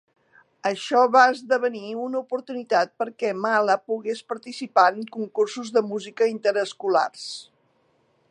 Això va esdevenir una oportunitat perquè Mala pugués participar en concursos de música interescolars.